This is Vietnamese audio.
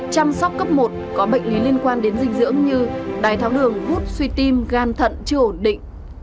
chăm sóc cấp một có bệnh lý liên quan đến dinh dưỡng như đái tháo đường hút suy tim gan thận chưa ổn định